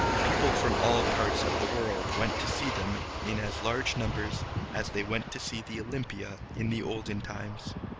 People from all parts of the world went to see them in as large numbers as they went to Olympia in the olden times.